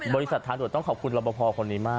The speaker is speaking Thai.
บริษัททางด่วนต้องขอบคุณรับประพอคนนี้มาก